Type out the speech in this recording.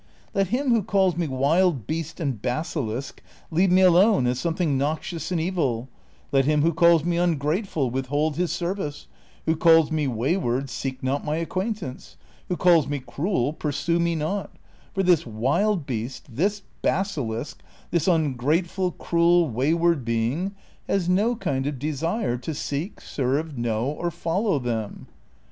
Let him who calls me Avild beast and basilisk, leave me alone as something noxious and evil ; let him who calls me ungrateful, withhold his service ; who calls me wayward, seek not my acquaintance ; who calls me cruel, ])ursue me not ; for this wild beast, this basilisk, this ungrate ful, cruel, wayward being has no kind of desire to seek, serve, know, or follow them.